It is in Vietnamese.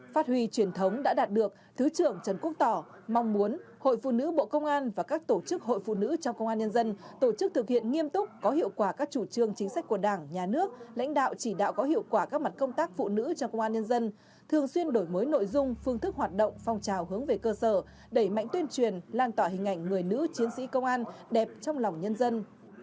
phát huy truyền thống đã đạt được thứ trưởng trần quốc tỏ mong muốn hội phụ nữ bộ công an và các tổ chức hội phụ nữ trong công an nhân dân tổ chức thực hiện nghiêm túc có hiệu quả các chủ trương chính sách của đảng nhà nước lãnh đạo chỉ đạo có hiệu quả các mặt công tác phụ nữ trong công an nhân dân thường xuyên đổi mới nội dung phương thức hoạt động phong trào hướng về cơ sở đẩy mạnh tuyên truyền lan tỏa hình ảnh người nữ chiến sĩ công an đẹp trong lòng nhân dân